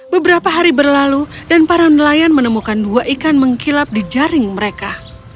beberapa hari berlalu dan para nelayan menemukan dua ikan mengkilap di jaring mereka